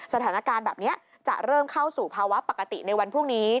สถานการณ์แบบนี้จะเริ่มเข้าสู่ภาวะปกติในวันพรุ่งนี้